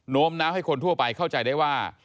้มน้าวให้คนทั่วไปเข้าใจได้ว่า